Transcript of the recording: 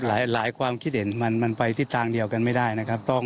หลายความคิดเห็นมันไปทิศทางเดียวกันไม่ได้นะครับ